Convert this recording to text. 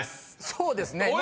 そうですね。